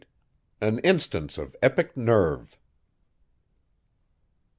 AN INSTANCE OF EPIC NERVE.